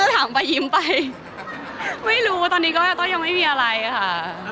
ถามไปยิ้มไปไม่รู้ตอนนี้ก็ยังไม่มีอะไรค่ะ